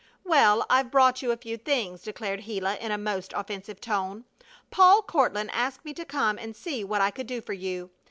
"Well, I've brought you a few things!" declared Gila, in a most offensive tone. "Paul Courtland asked me to come and see what I could do for you."